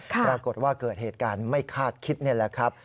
ปรากฏว่าเกิดเหตุการณ์ไม่คาดคิดนี่แหละครับ